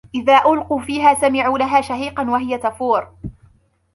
إِذَا أُلْقُوا فِيهَا سَمِعُوا لَهَا شَهِيقًا وَهِيَ تَفُورُ